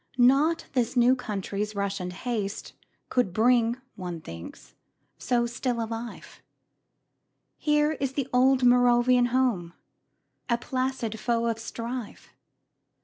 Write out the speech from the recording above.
Not this new country's rush and haste Could breed, one thinks, so still a life; Here is the old Moravian home, A placid foe of strife.